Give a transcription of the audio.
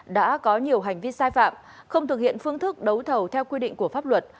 đã có nhiều hành vi sai phạm không thực hiện phương thức đấu thầu theo quy định của pháp luật